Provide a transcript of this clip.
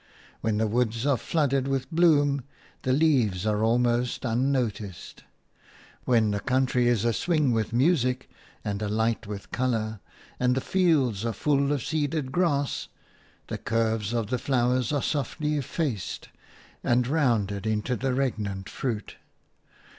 When the woods are flooded with bloom, the leaves are almost unnoticed; when the country is aswing with music and alight with colour and the fields are full of seeded grass, the curves of the flower are softly effaced and rounded into the regnant fruit.